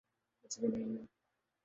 کچھ بھی نہیں۔